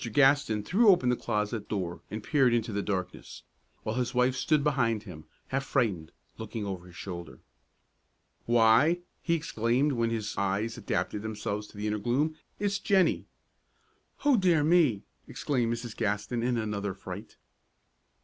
Gaston threw open the closet door and peered into the darkness, while his wife stood behind him, half frightened, looking over his shoulder. "Why!" he exclaimed, when his eyes had adapted themselves to the inner gloom, "it's Jennie!" "Oh, dear me!" exclaimed Mrs. Gaston, in another fright.